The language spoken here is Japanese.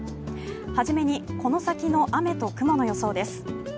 はじめにこの先の雨と雲の予想です。